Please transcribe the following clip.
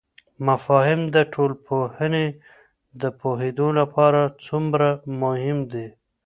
مفاهیم د ټولنپوهنې د پوهیدو لپاره څومره مهم دي؟